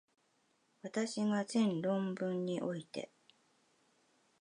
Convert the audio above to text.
私が前論文において、